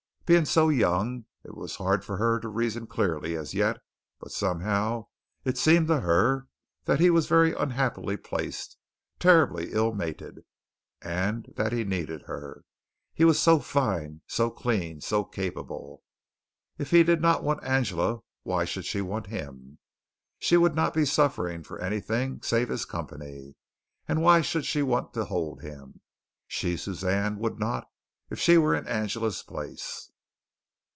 Being so young, it was hard for her to reason clearly as yet, but somehow it seemed to her that he was very unhappily placed, terribly ill mated, and that he needed her. He was so fine, so clean, so capable! If he did not want Angela, why should she want him? She would not be suffering for anything save his company, and why should she want to hold him? She, Suzanne, would not, if she were in Angela's place.